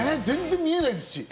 全然見えない。